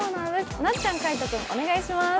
なっちゃん、海音君、お願いします。